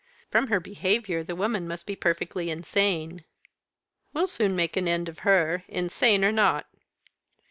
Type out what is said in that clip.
From her behaviour the woman must be perfectly insane." "We'll soon make an end of her, insane or not."